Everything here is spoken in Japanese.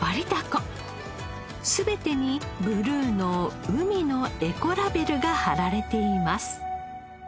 全てにブルーの海のエコラベルが貼られています。